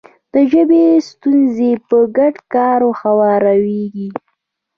د ژبې ستونزې په ګډ کار هواریږي.